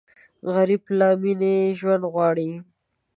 غریب له مینې ژوند غواړي